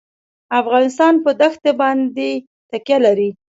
افغانستان په دښتې باندې تکیه لري.